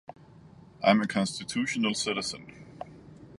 I am a constitutional citizen.